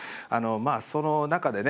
その中でね